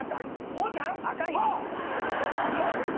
おーちゃん？何をやってんの？